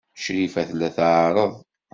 Crifa tella tɛerreḍ.